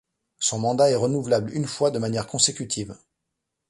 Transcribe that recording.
Son mandat est renouvelable une fois de manière consécutive.